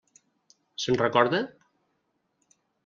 Se'n recorda?